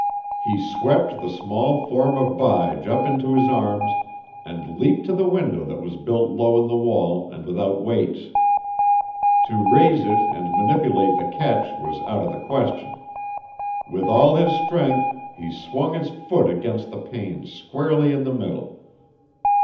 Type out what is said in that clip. He swept the small form of Bige up into his arms and leaped to the window that was built low in the wall and without weights. To raise it and manipulate the catch was out of the question. With all his strength he swung his foot against the pane squarely in the middle.